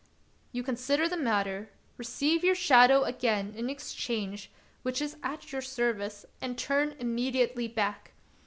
You consider the matter, receive your shadow again in exchange, which is at your service, and turn immediately back.